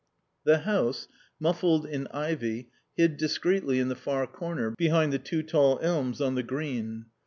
The house, muffled in ivy, hid discreetly in the far corner, behind the two tall elms on the Green.